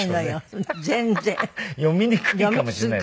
読みにくいかもしれないですね。